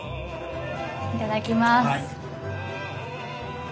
いただきます。